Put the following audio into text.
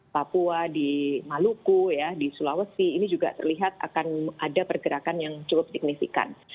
papua di maluku ya di sulawesi ini juga terlihat akan ada pergerakan yang cukup signifikan